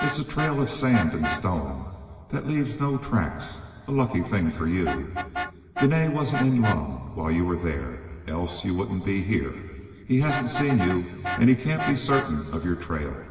It's a trail of sand and stone that leaves no tracks, a lucky thing for you. Dene wasn't in Lund while you were there else you wouldn't be here. He hasn't seen you, and he can't be certain of your trail.